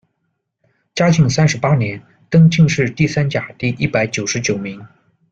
嘉靖三十八年，登进士第三甲第一百九十九名。